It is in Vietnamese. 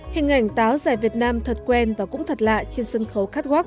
hình ảnh táo dài việt nam thật quen và cũng thật lạ trên sân khấu khát hoác